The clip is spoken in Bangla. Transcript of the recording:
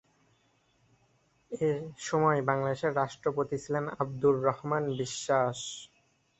এসময় বাংলাদেশের রাষ্ট্রপতি ছিলেন আবদুর রহমান বিশ্বাস।